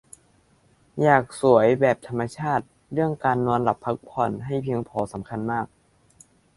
อยากสวยแบบธรรมชาติ เรื่องการนอนหลับพักผ่อนให้เพียงพอสำคัญมาก